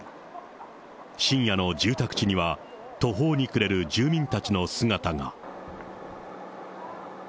深夜の住宅地には、途方に暮れる住民たちの姿が。